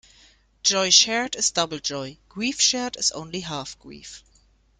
Joy shared is double joy; grief shared is only half grief.